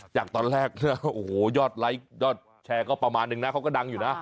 จากตอนแรกนะโอ้โหยอดไลค์ยอดแชร์ก็ประมาณนึงนะเขาก็ดังอยู่นะ